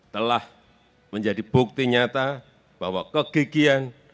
telah menjadi bukti nyata bahwa kegigian